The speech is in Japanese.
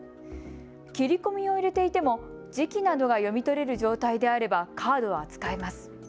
切り込みを入れていても磁気などが読み取れる状態であればカードは使えます。